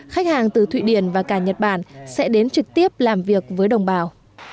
khách hàng từ thụy điển và cả nhật bản sẽ đến trực tiếp làm việc với đồng bào